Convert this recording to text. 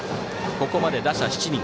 ここまで打者７人。